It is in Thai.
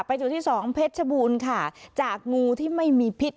จุดที่สองเพชรชบูรณ์ค่ะจากงูที่ไม่มีพิษ